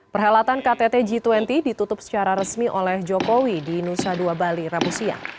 perhelatan ktt g dua puluh ditutup secara resmi oleh jokowi di nusa dua bali rabu siang